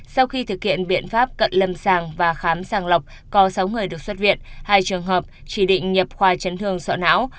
sau khi thực hiện biện pháp cận lâm sàng và khám sàng lọc có sáu người được xuất viện hai trường hợp chỉ định nhập khoa chấn thương sọ não